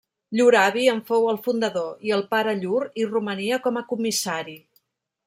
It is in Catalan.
Llur avi en fou el fundador, i el pare llur hi romania com a comissari.